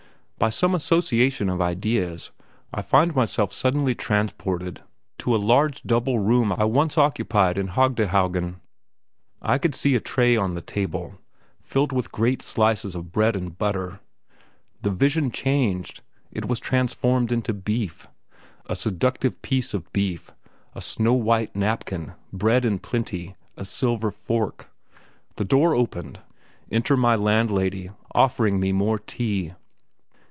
By some association of ideas, I find myself suddenly transported to a large, double room I once occupied in Haegdehaugen. I could see a tray on the table, filled with great slices of bread and butter. The vision changed; it was transformed into beef a seductive piece of beef a snow white napkin, bread in plenty, a silver fork. The door opened; enter my landlady, offering me more tea....